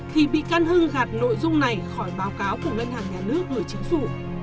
thì bị can hưng gạt nội dung này khỏi báo cáo của ngân hàng nhà nước gửi chính phủ